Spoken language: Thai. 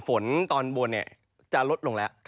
ฝนตอนบนจะลดลงแล้ว